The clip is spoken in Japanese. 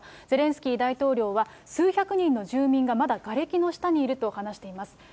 ゼレンスキー大統領は数百人の住民がまだがれきの下にいると話しています。